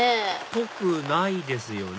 ぽくないですよね